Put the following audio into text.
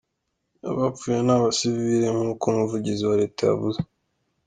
Abapfuye ni abasivile, nkuko umuvugizi wa leta yavuze.